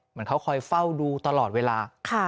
เหมือนเขาคอยเฝ้าดูตลอดเวลา